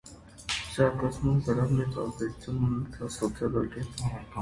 Զարգացման վրա մեծ ազդեցություն ունեցավ սոցիոլոգիան։